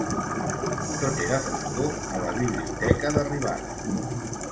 Tot era foscor a la biblioteca d'arribada.